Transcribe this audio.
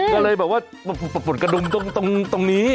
ก็เลยบอกว่าปลดกระดุมตรงนี้